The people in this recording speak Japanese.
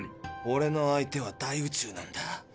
オレの相手は大宇宙なんだ。